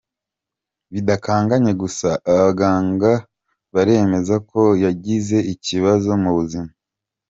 bidakanganye gusa abaganga baremeza ko yagize ikibazo mu buzima.